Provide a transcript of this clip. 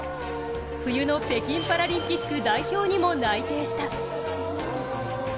冬の北京パラリンピック代表にも内定した。